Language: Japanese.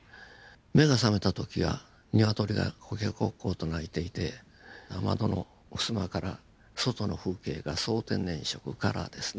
目が覚めた時はニワトリがコケコッコーと鳴いていて窓のふすまから外の風景が総天然色カラーですね